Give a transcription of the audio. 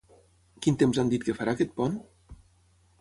Quin temps han dit que farà aquest pont?